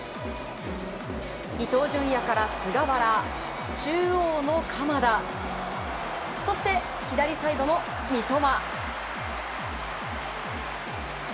伊東純也から菅原中央の鎌田そして、左サイドの三笘。